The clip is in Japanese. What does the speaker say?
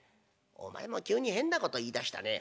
「お前も急に変なこと言いだしたね。